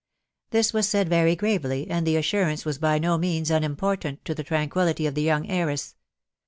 This was said very gravely, and the assurance wis by no means unimportant to the tranquillity of the young heiress.